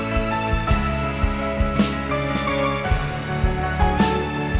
ntar kita ke rumah sakit